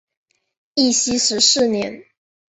义熙十四年。